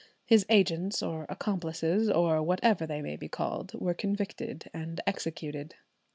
His agents or accomplices, or whatever they may be called, were convicted and executed.